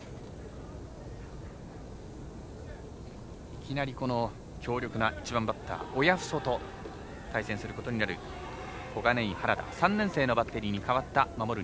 いきなり強力な１番バッター親富祖と対戦することになる小金井、原田３年生のバッテリーに代わった守る